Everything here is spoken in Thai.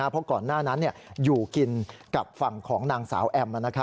เพราะก่อนหน้านั้นอยู่กินกับฝั่งของนางสาวแอม